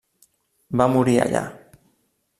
Va morir allà.